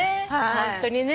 ホントにね。